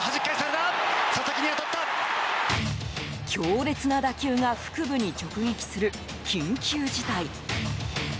強力な打球が腹部に直撃する緊急事態。